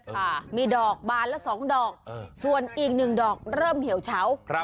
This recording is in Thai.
ค่ะมีดอกบานละ๒ดอกส่วนอีก๑ดอกเริ่มเหี่ยวเฉา